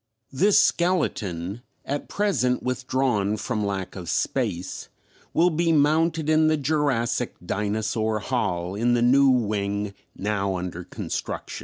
This skeleton, at present withdrawn from lack of space, will be mounted in the Jurassic Dinosaur Hall in the new wing now under construction.